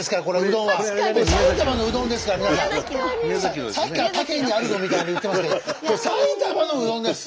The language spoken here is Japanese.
そのさっきから他県にあるぞみたいに言ってますけどこれ埼玉のうどんです！